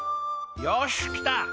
よしきた！